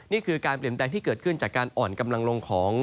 นี่คือการเปลี่ยนแปลงที่เกิดขึ้นจากการอ่อนกำลังลงของ